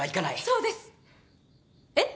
そうですえっ？